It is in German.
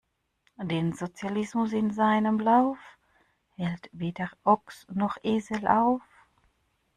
Den Sozialismus in seinem Lauf, hält weder Ochs noch Esel auf!